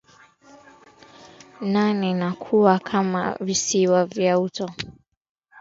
nane na kuwa kama visiwa vya uoto katika jangwa